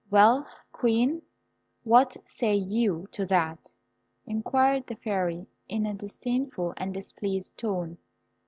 "Well, Queen, what say you to that?" inquired the Fairy, in a disdainful and displeased tone.